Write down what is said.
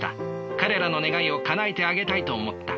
彼らの願いをかなえてあげたいと思った。